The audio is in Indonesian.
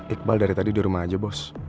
iqbal dari tadi di rumah aja bos